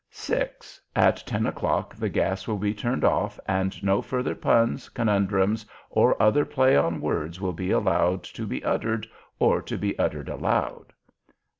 6. At ten o'clock the gas will be turned off, and no further Puns, Conundrums, or other play on words will be allowed to be uttered, or to be uttered aloud.